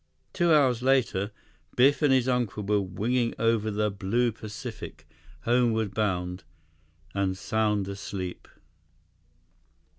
Two hours later, Biff and his uncle were winging over the blue Pacific, homeward bound—and sound asleep.